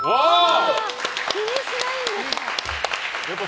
気にしないんですか？